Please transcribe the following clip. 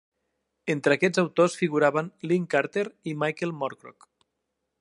Entre aquests autors figuraven Lin Carter i Michael Moorcock.